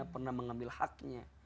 pernah mengambil haknya